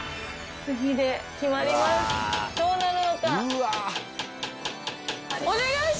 どうなるのか？